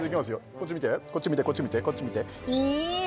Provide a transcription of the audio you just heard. こっち見てこっち見てこっち見てこっち見てイーッ！